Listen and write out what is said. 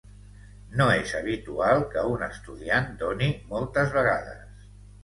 No es habitual que un estudiant doni moltes vegades.